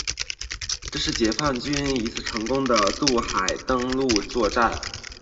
这是解放军一次成功的渡海登陆作战。